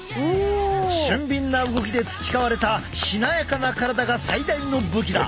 俊敏な動きで培われたしなやかな体が最大の武器だ。